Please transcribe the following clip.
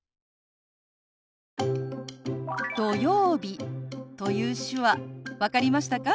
「土曜日」という手話分かりましたか？